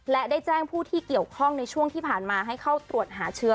และได้แจ้งผู้ที่เกี่ยวข้องในช่วงที่ผ่านมาให้เข้าตรวจหาเชื้อ